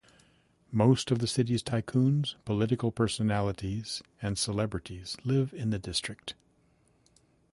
Most of the city's tycoons, political personalities and celebrities live in the district.